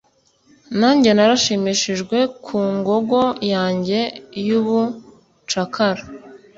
Nanjye narashimishijwe ku ngogo yanjye yubucakara